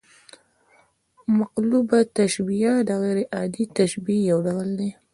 مقلوبه تشبیه د غـير عادي تشبیه یو ډول دئ.